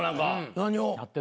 何を？